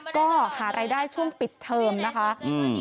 ก็หารายได้ช่วงปิดเทอมนะคะอืม